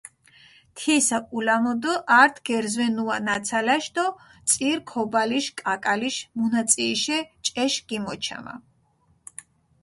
თის ულამუდჷ ართ გერზვენუა ნაცალაშ დო წირ ქობალიშ კაკალიშ მუნაწიიშე ჭეშ გიმოჩამა.